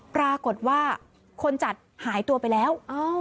ปรากฏว่าคนจัดหายตัวไปแล้ว